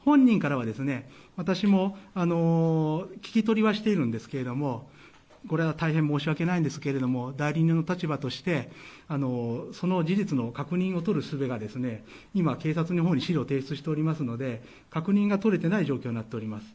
本人からは、私も聞き取りはしているんですけどもこれは大変申し訳ないんですけど代理人の立場としてその事実の確認をとるすべが今、警察のほうに資料を提出しておりますので確認が取れていない状況となっております。